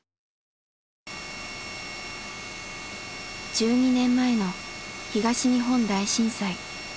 １２年前の東日本大震災。